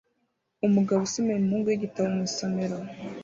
Umugabo usomera umuhungu we igitabo mu isomero